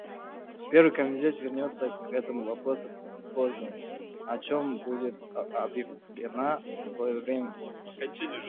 Первый комитет вернется к этому вопросу позднее, о чем будет объявлено своевременно.